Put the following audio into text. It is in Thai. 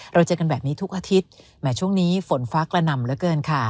เราเจอกันแบบนี้ทุกอาทิตย์แหมช่วงนี้ฝนฟ้ากระหน่ำเหลือเกินค่ะ